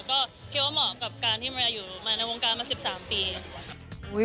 ก็คิดว่าเหมาะกับการที่มาในวงการมา๑๓ปี